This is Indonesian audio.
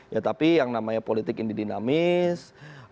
ya tapi yang namanya politik ini dinamis